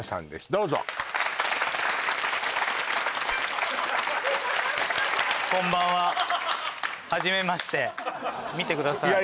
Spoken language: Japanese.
どうぞこんばんははじめまして見てください